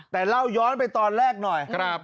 แต่เล่าย้อนไปตอนแรกหน่อย